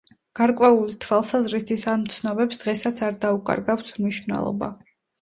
გარკვეული თვალსაზრისით ამ ცნობებს დღესაც არ დაუკარგავთ მნიშვნელობა.